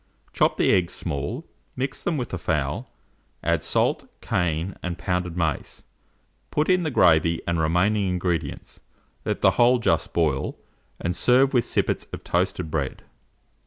Chop the eggs small; mix them with the fowl; add salt, cayenne, and pounded mace, put in the gravy and remaining ingredients; let the whole just boil, and serve with sippets of toasted bread.